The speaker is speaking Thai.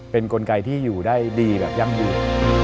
เป็นกลไกที่อยู่ได้ดีแบบยั่งยืน